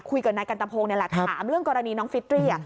คุยกับนายกันตะพงศ์นี่แหละถามเรื่องกรณีน้องฟิตรี